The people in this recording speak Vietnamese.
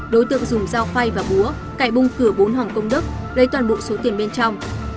đối tượng dùng dao phay và búa cậy bung cửa bốn hoàng công đức lấy toàn bộ số tiền bên trong